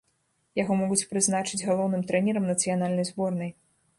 Яго могуць прызначыць галоўным трэнерам нацыянальнай зборнай.